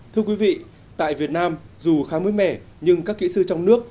thưa quý vị tại việt nam dù khá mới mẻ nhưng các kỹ sư trong nước